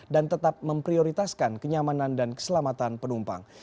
dan tetap memprioritaskan kenyamanan dan keselamatan penumpang